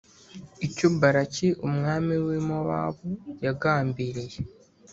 icyo Balaki umwami w i Mowabu yagambiriye